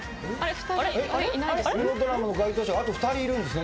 このドラマの該当者があと２人いるんですね